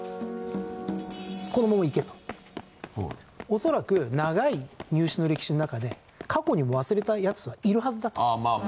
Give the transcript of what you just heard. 恐らく長い入試の歴史の中で過去にも忘れたヤツはいるはずだと。